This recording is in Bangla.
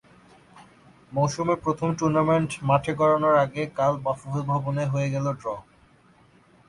মৌসুমের প্রথম টুর্নামেন্ট মাঠে গড়ানোর আগে কাল বাফুফে ভবনে হয়ে গেল ড্র।